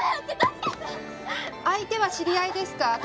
相手は知り合いですか？